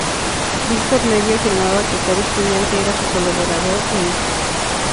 Víctor Levi afirmaba que cada estudiante era su colaborador e hijo.